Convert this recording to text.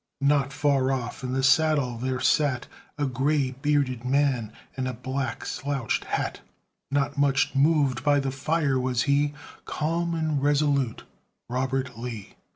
Not far off, in the saddle there sat A gray bearded man in a black slouched hat; Not much moved by the fire was he, Calm and resolute Robert Lee.